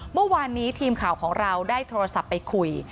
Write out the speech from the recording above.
เมื่อวานนี้ทีมข่าวของเราได้โทรศัพท์ไปคุย